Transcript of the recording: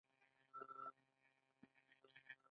آیا دوی پوځ او وسلې نلري؟